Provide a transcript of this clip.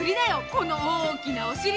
この大きなおしり。